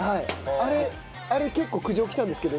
あれ結構苦情来たんですけど。